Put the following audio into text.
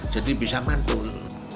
jadi bisa mantul